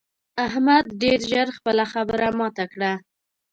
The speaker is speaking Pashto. احمد ډېر ژر خپله خبره ماته کړه.